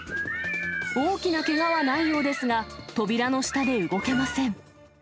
大きなけがはないようですが、扉の下で動けません。